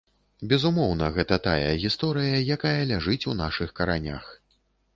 Безумоўна, гэта тая гісторыя, якая ляжыць у нашых каранях.